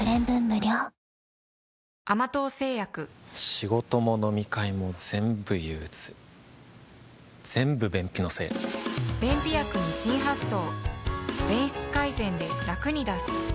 仕事も飲み会もぜんぶ憂鬱ぜんぶ便秘のせい便秘薬に新発想